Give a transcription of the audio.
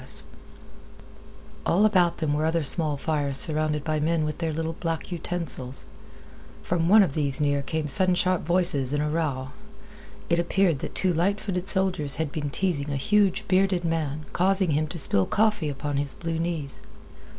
. .poor cuss!" All about them were other small fires surrounded by men with their little black utensils. From one of these near came sudden sharp voices in a row. It appeared that two light footed soldiers had been teasing a huge, bearded man, causing him to spill coffee upon his blue knees.